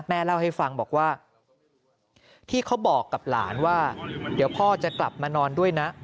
แม่เล่าให้ฟังบอกว่าที่เขาบอกกับหลานว่าเดี๋ยวพ่อจะกลับมานอนด้วยนะ